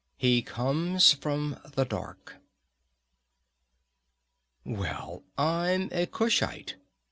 He Comes from the Dark_ "Well, I'm a Kushite!"